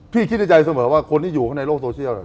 พี่คิดในใจเสมอว่าคนที่อยู่ในโลกโซเชียล